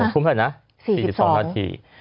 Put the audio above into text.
๒ทุ่มเท่านั้น๘๒นาที